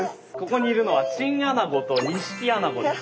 ここにいるのはチンアナゴとニシキアナゴです。